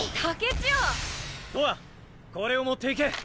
これを持っていけ！